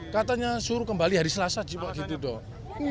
katanya suruh kembali hari selasa gitu dong